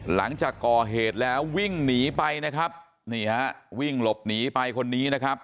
หลังจากก่อเหตุแล้ววิ่งหนีไปนะครับนี่ฮะวิ่งหลบหนีไปคนนี้นะครับ